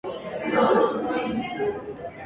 Ha sido lugar de congresos y agitación obrera.